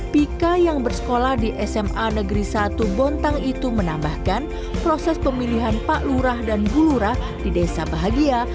pika yang bersekolah di sma negeri satu bontang itu menambahkan proses pemilihan pak lurah dan bu lurah di desa bahagia